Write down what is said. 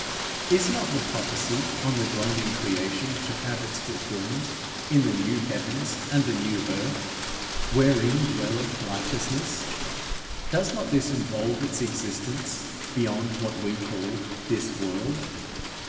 Is not the prophecy on the groaning creation to have its fulfilment in the new heavens and the new earth, wherein dwelleth righteousness? Does not this involve its existence beyond what we call this world?